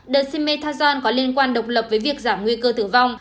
dexamethasone có liên quan độc lập với việc giảm nguy cơ tử vong